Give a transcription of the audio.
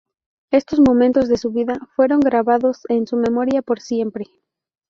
Estos momentos de su vida fueron gravados en su memoria por siempre.